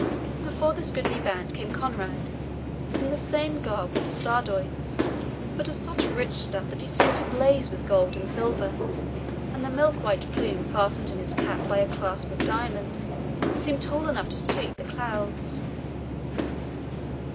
Before this goodly band came Conrade, in the same garb with the Stradiots, but of such rich stuff that he seemed to blaze with gold and silver, and the milk white plume fastened in his cap by a clasp of diamonds seemed tall enough to sweep the clouds.